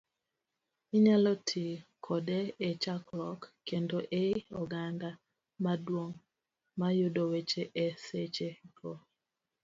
Inyalo ti kode e chakruok, kendo ei oganda maduong' mayudo weche e seche go.